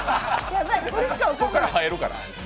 こっから入るから。